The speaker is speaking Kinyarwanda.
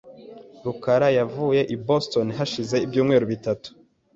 rukara yavuye i Boston hashize ibyumweru bitatu .